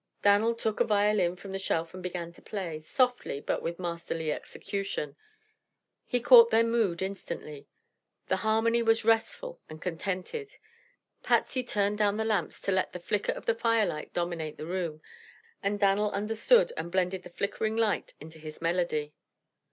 Dan'l took a violin from a shelf and began to play, softly but with masterly execution. He caught their mood instantly. The harmony was restful and contented. Patsy turned down the lamps, to let the flicker of the firelight dominate the room, and Dan'l understood and blended the flickering light into his melody.